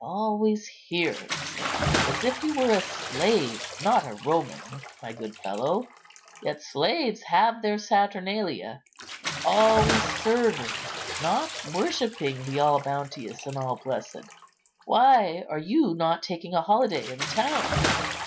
"Always here," said he, "as if you were a slave, not a Roman, my good fellow; yet slaves have their Saturnalia; always serving, not worshipping the all bounteous and all blessed. Why are you not taking holiday in the town?"